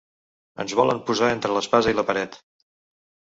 Ens volen posar entre l’espasa i la paret.